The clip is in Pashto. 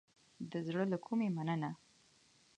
د زړه له کومې مننه